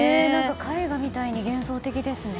絵画みたいに幻想的ですね。